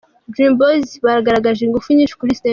Dream Boys bagaragaje ingufu nyinshi kuri stage.